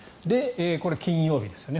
これ、金曜日ですね。